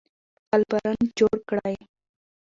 خپل برند جوړ کړئ.